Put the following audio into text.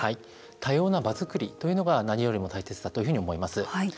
多様な場作りというのが何よりも大切だというふうに思います。